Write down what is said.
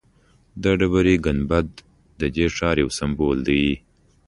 د ډبرې ګنبد ددې ښار یو سمبول دی.